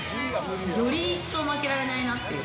より一層負けられないなっていう。